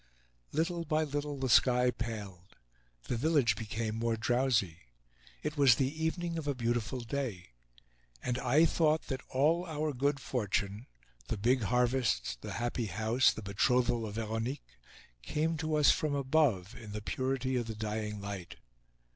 Little by little the sky paled; the village became more drowsy. It was the evening of a beautiful day; and I thought that all our good fortune—the big harvests, the happy house, the betrothal of Veronique—came to us from above in the purity of the dying light.